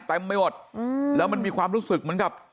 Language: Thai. ไปหมดแล้วมันมีความรู้สึกเหมือนกับ